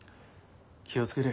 気を付けれ。